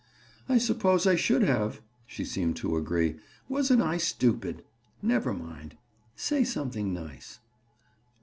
"I suppose I should have," she seemed to agree. "Wasn't I stupid? Never mind. Say something nice."